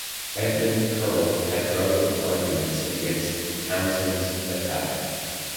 Edmund Curll had relevant arguments against Townshend's attack.